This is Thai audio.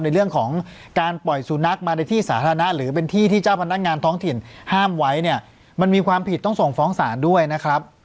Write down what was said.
ในเรื่องของการปล่อยสุนัขมาในที่สาธารณะหรือเป็นที่ที่เจ้าพนักงานท้องถิ่นห้ามไว้เนี่ยมันมีความผิดต้องส่งฟ้องศาลด้วยนะครับ